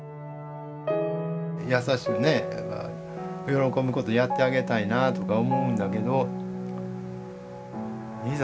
優しくね喜ぶことやってあげたいなとか思うんだけどいざ